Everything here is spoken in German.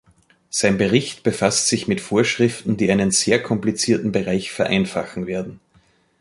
Sein Bericht befasst sich mit Vorschriften, die einen sehr komplizierten Bereich vereinfachen werden.